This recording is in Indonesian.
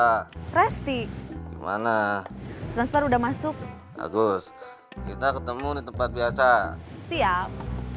siapa presti mana transfer udah masuk bagus kita ketemu di tempat biasa siap